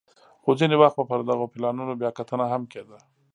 خو ځیني وخت به پر دغو پلانونو بیا کتنه هم کېده